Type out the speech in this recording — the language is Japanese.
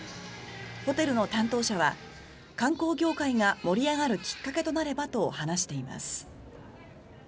ホテルの担当者は観光業界が盛り上がるきっかけとなればと話しています。